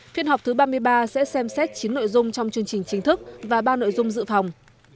phiên họp thứ ba mươi ba sẽ xem xét chín nội dung trong chương trình chính thức và ba nội dung dự phòng